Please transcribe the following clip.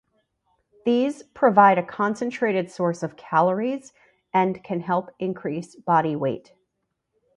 These provide a concentrated source of calories and can help increase body weight.